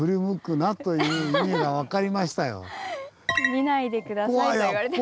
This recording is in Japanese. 「見ないで下さい」と言われてました。